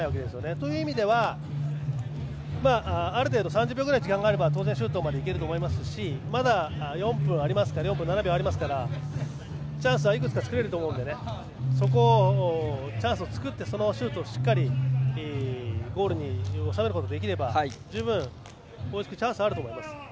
という意味では、ある程度３０秒ぐらいの時間があれば当然シュートまでいけると思いますしまだ４分７秒ありますからチャンスはいくつか作れると思うのでそこをチャンスを作ってそのままシュートをしっかりゴールに収めることができれば十分、攻撃のチャンスはあると思います。